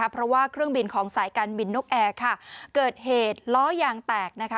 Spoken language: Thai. เพราะว่าเครื่องบินของสายการบินนกแอร์เกิดเหตุล้อยางแตกนะคะ